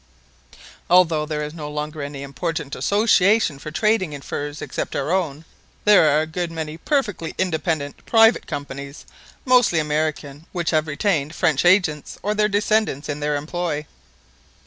"Although there is no longer any important association for trading in furs except our own, there are a good many perfectly independent private companies, mostly American, which have retained French agents or their descendants in their employ."